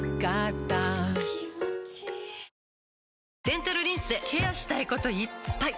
デンタルリンスでケアしたいこといっぱい！